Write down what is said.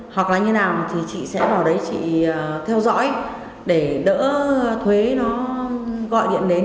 hoặc là như nào thì chị sẽ vào đấy chị theo dõi để đỡ thuế nó gọi điện đến